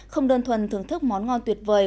không đơn thuần thưởng thức món ngon tuyệt vời